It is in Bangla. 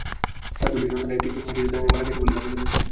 তাঁর দুটি সন্তানের একটি কিছু দিন আগে মারা গেছে বলে দাবি করেন।